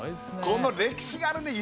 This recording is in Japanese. この歴史あるね